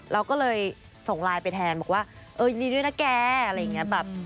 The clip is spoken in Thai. เราก็เลยส่งไลน์ไปแทนบอกว่าเออยินดีด้วยนะแกอะไรอย่างนี้แบบ